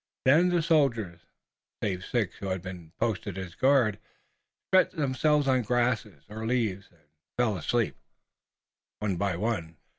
Then the soldiers, save six who had been posted as guard, stretched themselves on grass or leaves, and fell asleep, one by one.